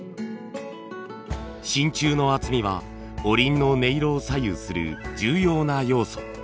真鍮の厚みはおりんの音色を左右する重要な要素。